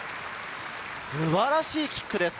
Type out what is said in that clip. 素晴らしいキックです。